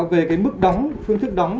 về mức đóng phương thức đóng